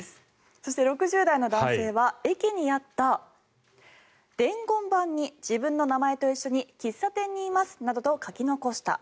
そして６０代の男性は駅にあった伝言板に自分の名前と一緒に喫茶店にいますなどと書き残した。